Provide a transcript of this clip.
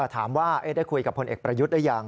ถามว่าได้คุยกับพลเอกประยุทธ์หรือยัง